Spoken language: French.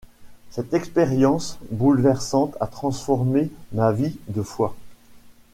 Cette expérience bouleversante a transformé ma vie de foi.